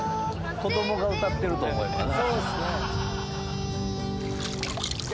子供が歌ってると思えばな。